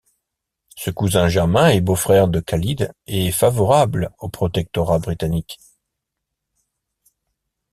Ce cousin germain et beau-frère de Khalid est favorable au protectorat britannique.